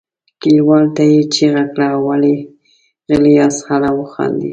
کليوالو ته یې چیغه کړه ولې غلي یاست هله وخاندئ.